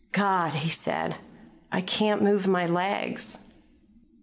"God!" he said. "I can't move my legs."